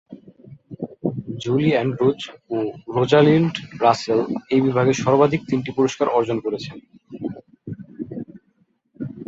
Julie Andrews ও Rosalind Russell এই বিভাগে সর্বাধিক তিনটি পুরস্কার অর্জন করেছেন।